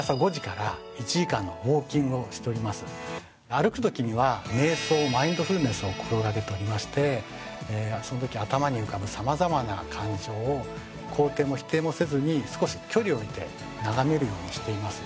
歩くときには瞑想マインドフルネスを心掛けておりましてそのとき頭に浮かぶ様々な感情を肯定も否定もせずに少し距離を置いて眺めるようにしています。